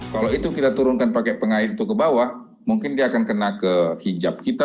kalau itu kita turunkan pakai pengair itu ke bawah mungkin dia akan kena ke hijab kita